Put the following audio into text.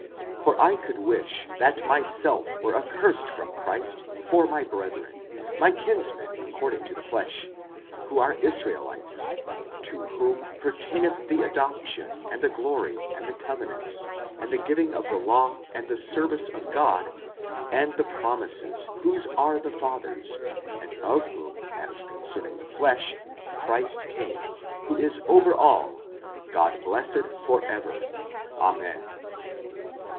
45:009:003 For I could wish that myself were accursed from Christ for my brethren, my kinsmen according to the flesh: 45:009:004 Who are Israelites; to whom pertaineth the adoption, and the glory, and the covenants, and the giving of the law, and the service of God, and the promises; 45:009:005 Whose are the fathers, and of whom as concerning the flesh Christ came, who is over all, God blessed for ever. Amen.